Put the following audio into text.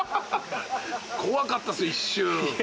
怖かったっす一瞬。